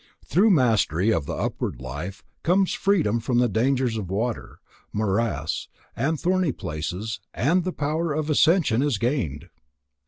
Through mastery of the upward life comes freedom from the dangers of water, morass, and thorny places, and the power of ascension is gained.